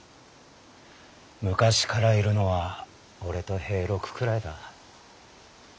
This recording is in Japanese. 昔からいるのは俺と平六くらいだ。